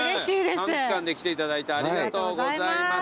短期間で来ていただいてありがとうございます。